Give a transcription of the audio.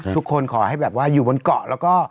ขอให้แบบว่าอยู่บนเกาะแล้วก็